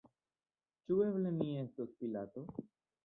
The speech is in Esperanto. Ĉu eble mi estos Pilato?